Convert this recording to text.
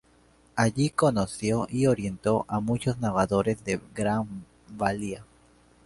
Allí conoció y orientó a muchos narradores de gran valía.